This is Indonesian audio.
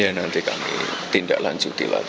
ya nanti kami tindak lanjuti lagi